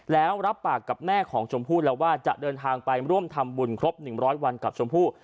แล้วรับปากกับแม่ของชมพู่แล้วว่าจะเดินทางไปร่วมทำบุญครบ๑๐๐วันกับชมพู่